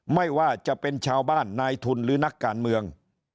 ไม่ว่าจะเป็นชาวบ้านนายทุนหรือนักการเมือง